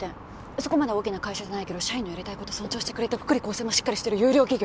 そこまで大きな会社じゃないけど社員のやりたいこと尊重してくれて福利厚生もしっかりしてる優良企業。